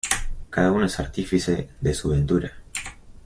Cada uno es artífice de su ventura.